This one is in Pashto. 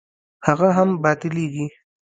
هغه هم باطلېږي.